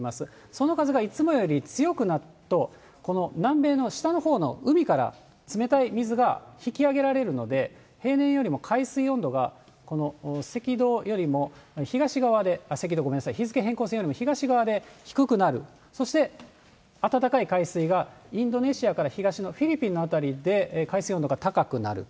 その風がいつもより強くなると、この南米の下のほうの海から冷たい水が引き上げられるので、平年よりも海水温度がこの赤道よりも、東側で、赤道、ごめんなさい、日付変更線で東側で低くなる、そして暖かい海水がインドネシアから東のフィリピンの辺りで、海水温が高くなる。